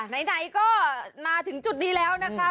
ไหนก็มาถึงจุดนี้แล้วนะคะ